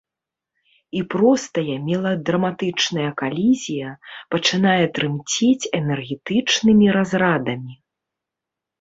І простая меладраматычная калізія пачынае трымцець энергетычнымі разрадамі.